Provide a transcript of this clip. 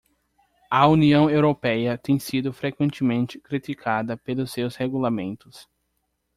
A União Europeia tem sido frequentemente criticada pelos seus regulamentos.